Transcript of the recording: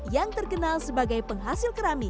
yang terkenal sebagai penghasil kerami